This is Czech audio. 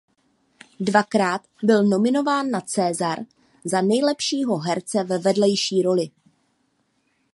Dvakrát byl nominován na César za nejlepšího herce ve vedlejší roli.